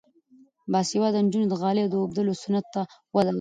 باسواده نجونې د غالۍ اوبدلو صنعت ته وده ورکوي.